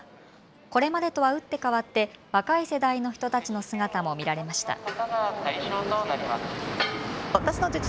これまでとは打って変わって若い世代の人たちの姿も見られました。